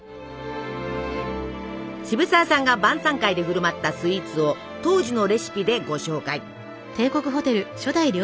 渋沢さんが晩さん会で振る舞ったスイーツを当時のレシピでご紹介！